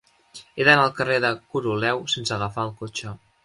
He d'anar al carrer de Coroleu sense agafar el cotxe.